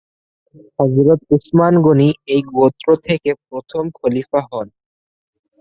হযরত উসমান গণি এই গোত্র থেকে প্রথম খলিফা হন।